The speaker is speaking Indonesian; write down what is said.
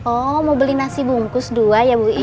oh mau beli nasi bungkus dua ya bu